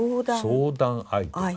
相談相手。